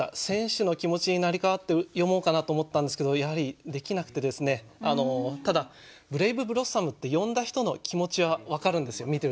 選手の気持ちに成り代わって詠もうかなと思ったんですけどやはりできなくてただ「ブレイブブロッサム」って呼んだ人の気持ちは分かるんですよ